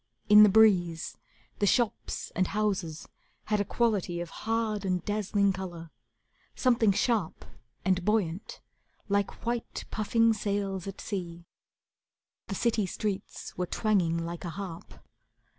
In the breeze The shops and houses had a quality Of hard and dazzling colour; something sharp And buoyant, like white, puffing sails at sea. The city streets were twanging like a harp.